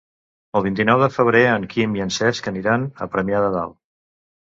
El vint-i-nou de febrer en Quim i en Cesc aniran a Premià de Dalt.